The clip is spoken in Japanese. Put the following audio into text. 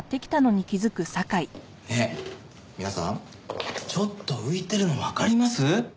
ねっ皆さんちょっと浮いてるのわかります？